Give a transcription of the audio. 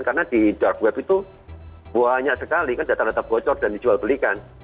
karena di dark web itu banyak sekali kan data data bocor dan dijual belikan